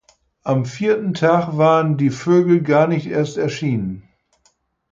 Am vierten Tag waren die Vögel gar nicht erst erschienen.